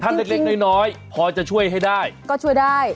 ถ้าเล็กน้อยพอจะช่วยให้ได้